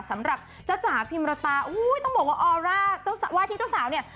สำหรับจ๊ะจ๋าพิมรตาอุ้ยต้องบอกว่าออร่าเจ้าว่าที่เจ้าสาวเนี่ย